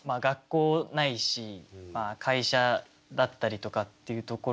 学校ないし会社だったりとかっていうところから。